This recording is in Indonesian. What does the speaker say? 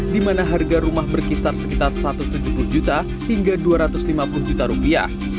di mana harga rumah berkisar sekitar satu ratus tujuh puluh juta hingga dua ratus lima puluh juta rupiah